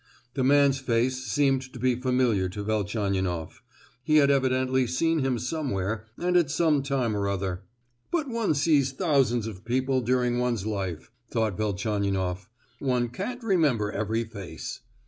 The man's face seemed to be familiar to Velchaninoff. He had evidently seen him somewhere and at some time or other. "But one sees thousands of people during one's life," thought Velchaninoff; "one can't remember every face!"